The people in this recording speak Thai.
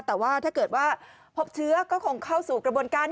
แต่ว่าถ้าเกิดว่าพบเชื้อก็คงเข้าสู่กระบวนการ